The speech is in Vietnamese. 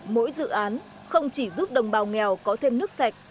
mỗi dự án không chỉ giúp đồng bào nghèo có thêm nước sạch